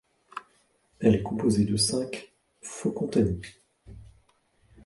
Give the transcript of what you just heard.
Elle est composée de cinq fokontany.